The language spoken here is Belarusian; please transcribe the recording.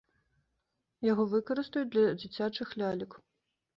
Яго выкарыстаюць для дзіцячых лялек.